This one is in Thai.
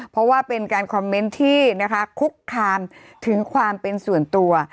เพราะว่าเป็นการคอมเมนต์ที่นะคะคุกคามถึงความเป็นส่วนตัว